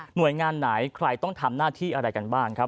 งานไหนใครต้องทำหน้าที่อะไรกันบ้างครับ